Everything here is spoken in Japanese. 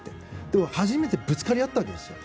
でも初めてぶつかり合ったわけですよ。